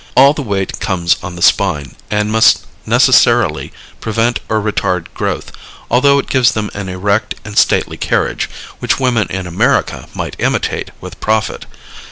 All the weight comes on the spine, and must necessarily prevent or retard growth, although it gives them an erect and stately carriage, which women in America might imitate with profit.